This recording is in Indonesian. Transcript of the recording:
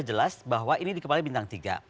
jelas bahwa ini dikembali bintang tiga